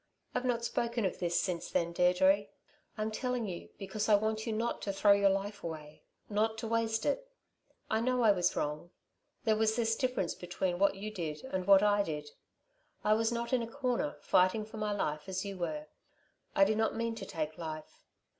"I've not spoken of this since then, Deirdre. I'm telling you because I want you not to throw your life away not to waste it. I know I was wrong. There was this difference between what you did and what I did. I was not in a corner, fighting for my life as you were. I did not mean to take life.